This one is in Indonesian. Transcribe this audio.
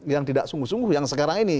yang tidak sungguh sungguh yang sekarang ini